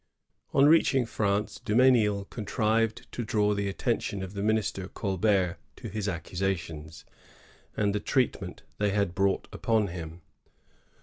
On reaching France, Dumesnil contrived to draw the attention of the minister Colbert to his accusa tions, and to the treatment they had brought upon him.